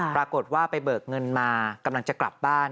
ปรากฏว่าไปเบิกเงินมากำลังจะกลับบ้าน